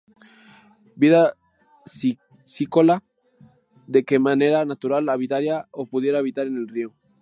vida piscícola que de manera natural habitaría o pudiera habitar en el río